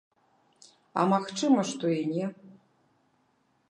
А магчыма, што і не.